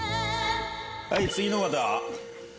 はい次の方。